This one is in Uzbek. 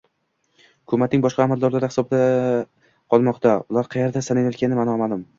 Hukumatning boshqa amaldorlari hibsda qolmoqda, ular qayerda saqlanayotgani noma’lum